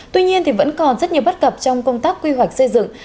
tuy nhiên vẫn còn rất nhiều bất cập trong công tác quy hoạch xây dựng